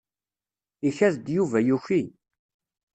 Ikad-d Yuba yuki.